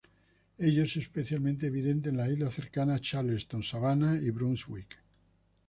Ello es especialmente evidente en las islas cercanas a Charleston, Savannah y Brunswick.